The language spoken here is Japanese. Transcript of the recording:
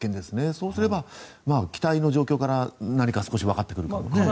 そうすれば、機体の状況から少しわかってくるかもしれないですね。